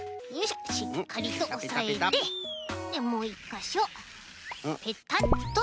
しっかりとおさえてでもう１かしょペタッと。